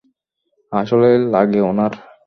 আসলেই লাগে ওনার।